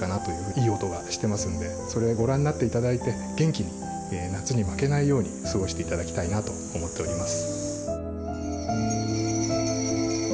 いい音がしていますのでそれをご覧になっていただいて元気に夏に負けないように過ごしてもらいたいと思っています。